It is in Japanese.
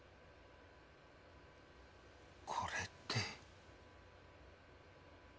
これって。